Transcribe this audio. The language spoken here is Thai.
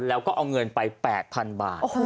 แล้วก็เอาเงินไป๘๐๐๐บาท